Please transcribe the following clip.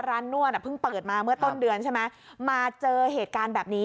นวดอ่ะเพิ่งเปิดมาเมื่อต้นเดือนใช่ไหมมาเจอเหตุการณ์แบบนี้